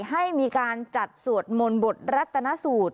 ให้มีการจัดสวดมนต์บทรัฐนสูตร